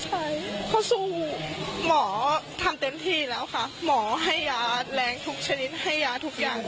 ใช่เขาสู้หมอทำเต็มที่แล้วค่ะหมอให้ยาแรงทุกชนิดให้ยาทุกอย่าง